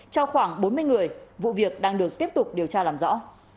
cho khoảng bốn mươi người vụ việc đang được tiếp tục điều tra làm rõ